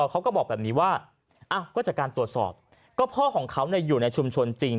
เขาก็บอกการตรวจสอบก็พ่อของเขาในอยู่ในชุมชนจริง